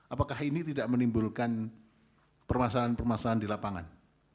apakah ini tidak menimbulkan permasalahan permasalahan di lapangan